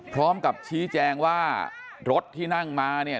พร้อมกับชี้แจงว่ารถที่นั่งมาเนี่ย